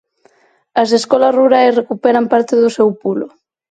As escolas rurais recuperan parte do seu pulo.